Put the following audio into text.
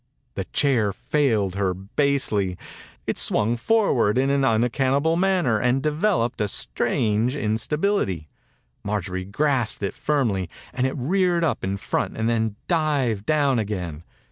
The chair failed her basely. It swung forward in an unaccount able manner and developed a strange instability. Marjorie grasped it firmly and it reared up in front and then dived down again.